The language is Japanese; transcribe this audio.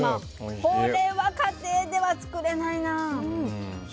これは家庭では作れないな。